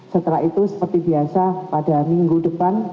setelah itu seperti biasa pada minggu depan